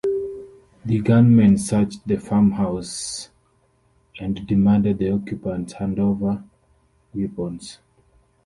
The gunmen searched the farmhouse and demanded the occupants hand over weapons.